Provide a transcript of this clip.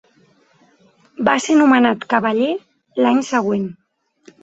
Va ser nomenat cavaller l'any següent.